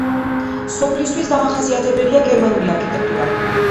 სოფლისთვის დამახასიათებელია გერმანული არქიტექტურა.